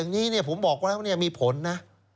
อย่างนี้ผมบอกแล้วมีผลนะ